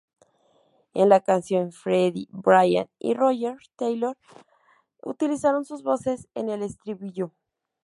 En la canción, Freddie, Brian, y Roger Taylor utilizan sus voces en el estribillo.